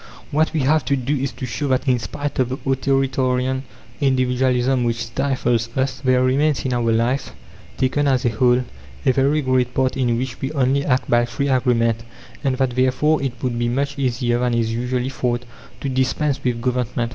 What we have to do is to show that, in spite of the authoritarian individualism which stifles us, there remains in our life, taken as a whole, a very great part in which we only act by free agreement; and that therefore it would be much easier than is usually thought, to dispense with Government.